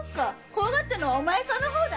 怖がってるのはお前さんの方だ！